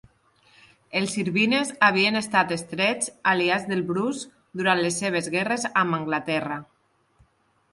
Els Irvines havien estat estrets aliats dels Bruce durant les seves guerres amb Anglaterra.